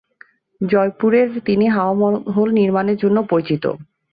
জয়পুরের তিনি হাওয়া মহল নির্মাণের জন্য পরিচিত।